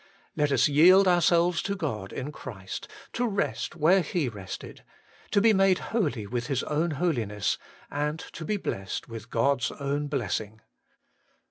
Let us yield ourselves to God in Christ, to rest where He rested, to be made holy with His own holiness, and to be blessed with God's own blessing.